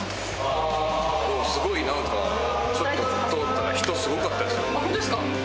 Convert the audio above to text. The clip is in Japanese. すごいなんか、ちょっと通ったら人、すごかったですよ。